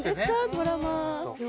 ドラマ。